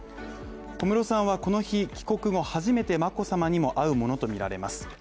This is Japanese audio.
小室さんはこの日、帰国後初めて眞子さまにも会うものとみられます。